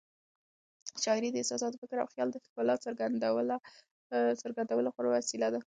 شاعري د احساساتو، فکر او خیال د ښکلا څرګندولو غوره وسیله ده.